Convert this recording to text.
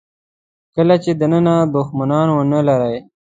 کله چې دننه دوښمنان ونه لرئ.